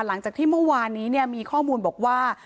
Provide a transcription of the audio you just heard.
หลังจากที่เมื่อวานนี้มีข้อมูลบอกว่า